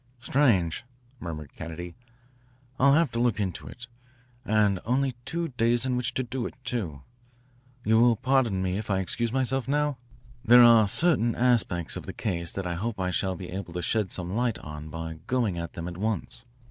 "Strange," murmured Kennedy. "I'll have to look into it. And only two days in which to do it, too. You will pardon me if I excuse myself now? There are certain aspects of the case that I hope I shall be able to shed some light on by going at them at once."